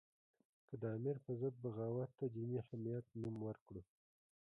که د امیر په ضد بغاوت ته دیني حمیت نوم ورکړو.